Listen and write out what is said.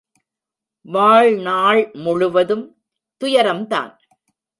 வாழ் நாள் முழுவதும் துயரந்தான்.